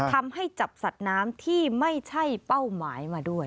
ทำให้จับสัตว์น้ำที่ไม่ใช่เป้าหมายมาด้วย